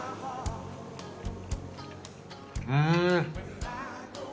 うん。